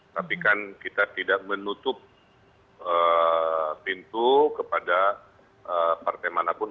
tapi kan kita tidak menutup pintu kepada partai manapun